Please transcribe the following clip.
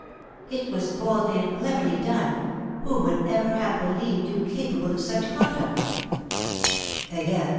"It was boldly and cleverly done! Who would ever have believed you capable of such conduct?" "Again.